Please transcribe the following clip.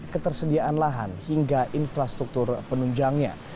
ketersediaan lahan hingga infrastruktur penunjangnya